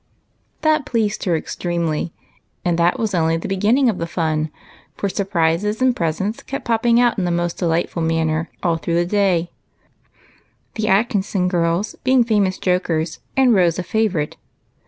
That pleased her extremely, and that was only the beginning of the fun, for surprises and presents kept popjoing out in the most delightful manner all through the day, the Atkinson girls being famous jokers and Rose a favorite.